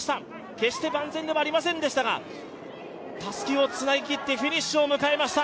決して万全ではありませんでしたが、たすきをつなぎきってフィニッシュを迎えました。